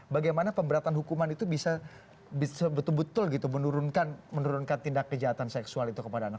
bagaimana pemberatan hukuman itu bisa betul betul gitu menurunkan tindak kejahatan seksual itu kepada anak